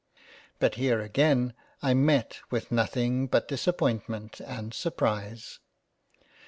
But here again, I met with nothing but Disappoint ment and Surprise.